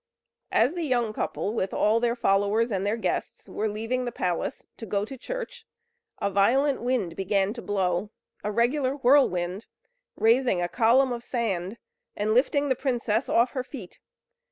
As the young couple, with all their followers and their guests, were leaving the palace to go to church, a violent wind began to blow, a regular whirlwind, raising a column of sand, and lifting the princess off her feet.